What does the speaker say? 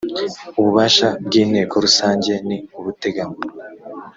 ububasha bw inteko rusange ni ubuteganywa